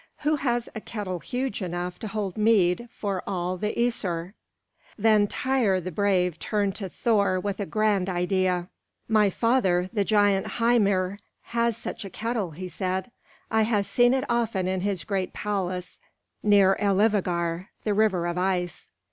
"Who has a kettle huge enough to hold mead for all the Æsir?" Then Tŷr the brave turned to Thor with a grand idea. "My father, the giant Hymir, has such a kettle," he said. "I have seen it often in his great palace near Elivâgar, the river of ice.